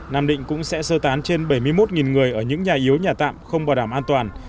nam định cũng sẽ sơ tán trên bảy mươi một người ở những nhà yếu nhà tạm không bảo đảm an toàn